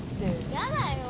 やだよ。